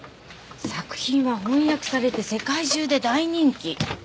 作品は翻訳されて世界中で大人気。